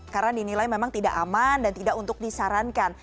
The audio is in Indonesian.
karena dinilai memang tidak aman dan tidak untuk disarankan